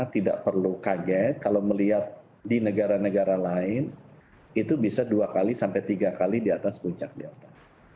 tidak perlu kaget kalau melihat di negara negara lain itu bisa dua kali sampai tiga kali di atas puncak delta